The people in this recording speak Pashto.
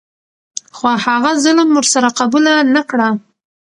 خو هغه ظلم ور سره قبوله نه کړه.